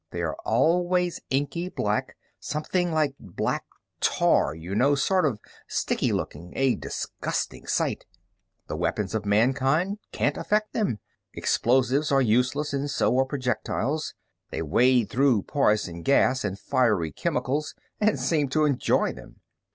They are always inky black, something like black tar, you know, sort of sticky looking, a disgusting sight. The weapons of mankind can't affect them. Explosives are useless and so are projectiles. They wade through poison gas and fiery chemicals and seem to enjoy them.